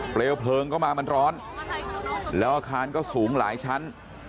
เพลิงก็มามันร้อนแล้วอาคารก็สูงหลายชั้น